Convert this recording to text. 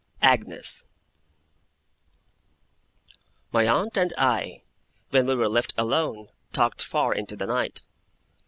AGNES My aunt and I, when we were left alone, talked far into the night.